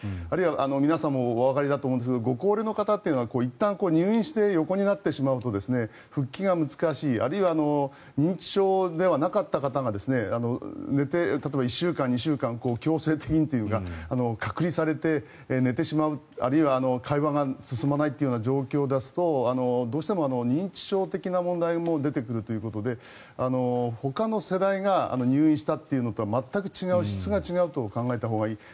あるいは皆さんもおわかりだと思うんですがご高齢の方というのはいったん入院して横になってしまうと復帰が難しいあるいは認知症ではなかった方が寝て１週間２週間強制的にというか隔離されて寝てしまうあるいは会話が進まないというような状況ですとどうしても認知症的な問題も出てくるということでほかの世代が入院したというのとは全く違う、質が違うと考えたほうがいい。